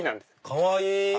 かわいい！